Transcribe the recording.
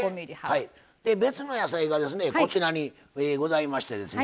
別の野菜がこちらにございましてですね。